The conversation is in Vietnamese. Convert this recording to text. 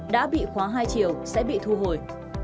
đã bị khóa hai triệu sẽ bị thu hồi